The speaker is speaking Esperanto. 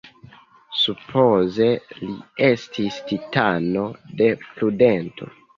Supoze li estis Titano „de prudento“.